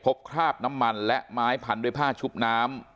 คราบน้ำมันและไม้พันด้วยผ้าชุบน้ำ